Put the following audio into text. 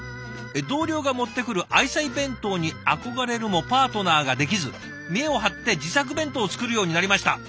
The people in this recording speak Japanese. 「同僚が持ってくる愛妻弁当に憧れるもパートナーができず見栄を張って自作弁当を作るようになりました」。